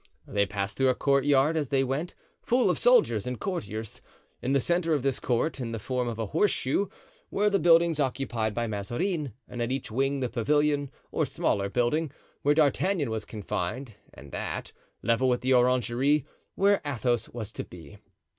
They passed through a courtyard as they went, full of soldiers and courtiers. In the centre of this court, in the form of a horseshoe, were the buildings occupied by Mazarin, and at each wing the pavilion (or smaller building), where D'Artagnan was confined, and that, level with the orangery, where Athos was to be.